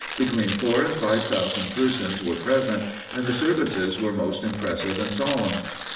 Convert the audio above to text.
Between four and five thousand persons were present and the services were most impressive and solemn.